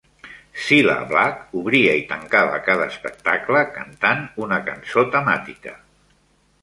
Cilla Black obria i tancava cada espectacle cantant una cançó temàtica.